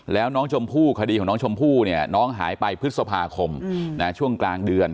แล้วคดีของน้องชมพู่หายไปพฤษภาคมช่วงกลางเดือน